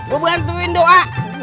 lu bantuin doa